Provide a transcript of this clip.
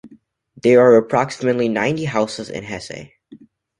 There are approximately ninety houses in Hessay.